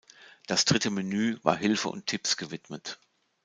Das dritte Menü war Hilfe und Tipps gewidmet.